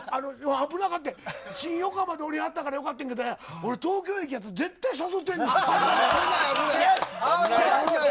危なかってん新横浜で降りたからよかったけど東京駅だったら絶対誘ってんねん。